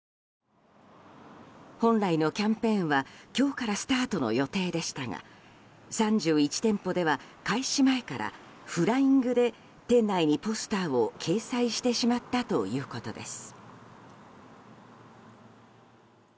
本来のキャンペーンは今日からスタートの予定でしたが３１店舗では開始前からフライングで店内にポスターを掲載してしまったということです。